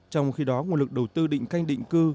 trong khi đó nguồn lực đầu tư định canh định cư